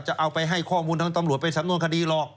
จะเอาไปให้ข้อมูลทางตำรวจไปสำนวนคดีหรอก